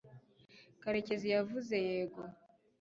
karekezi yavuze yego